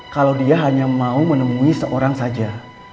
kalau dia hanya mau menemui seorang saja